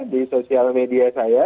di sosial media saya